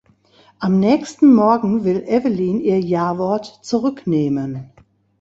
Am nächsten Morgen will Evelyn ihr Jawort zurücknehmen.